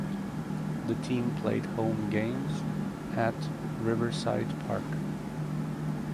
The team played home games at Riverside Park.